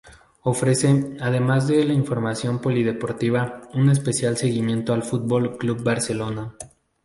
Ofrece, además de la información polideportiva, un especial seguimiento al Fútbol Club Barcelona.